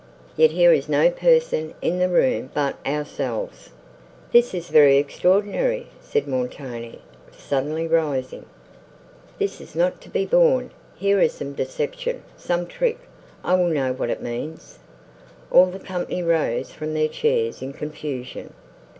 Yet here is no person in the room but ourselves!" "This is very extraordinary," said Montoni, suddenly rising. "This is not to be borne; here is some deception, some trick. I will know what it means." All the company rose from their chairs in confusion.